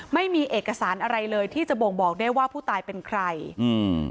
ไม่มีเอกสารอะไรเลยที่จะบ่งบอกได้ว่าผู้ตายเป็นใครอืม